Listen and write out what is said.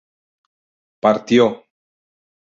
partió